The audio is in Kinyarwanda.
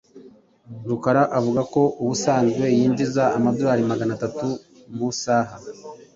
Rukara avuga ko ubusanzwe yinjiza amadorari magana atatu mu isaha.